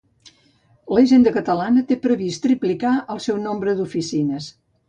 La Hisenda catalana té previst triplicar el seu nombre d'oficines.